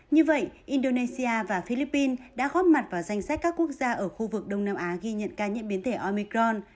như vậy indonesia và philippines đã góp mặt vào danh sách các quốc gia ở khu vực đông nam á ghi nhận ca nhiễm biến thể omicron